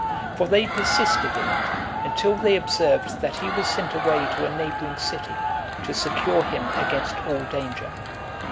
For they persisted in it, until they observed that he was sent away to a neighbouring city , to secure him against all danger.